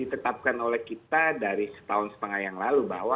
padahal ini ditekapkan oleh kita dari setahun setengah yang lalu bahwa